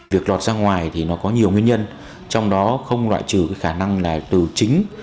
việc lọt ra ngoài thì nó có nhiều nguyên nhân trong đó không loại trừ khả năng là từ chính